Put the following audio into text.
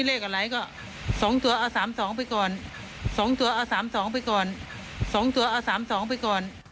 เดี๋ยวนะมาสั้นแต่ตอบไว้มาก